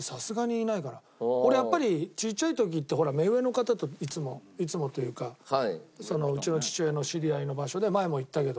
俺やっぱり小さい時ってほら目上の方といつもいつもというかうちの父親の知り合いの場所で前も言ったけど。